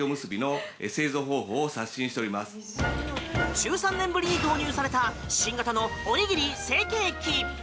１３年ぶりに導入された新型のおにぎり成型機。